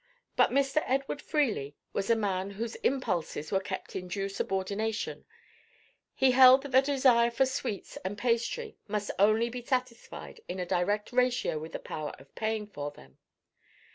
But Mr. Edward Freely was a man whose impulses were kept in due subordination: he held that the desire for sweets and pastry must only be satisfied in a direct ratio with the power of paying for them.